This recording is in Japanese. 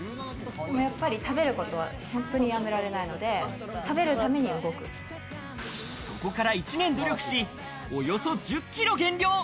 やっぱり食べる事は本当にやめられないので、そこから１年努力し、およそ１０キロ減量。